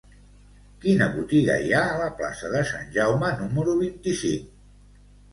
Quina botiga hi ha a la plaça de Sant Jaume número vint-i-cinc?